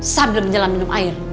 sebelum nyelam minum air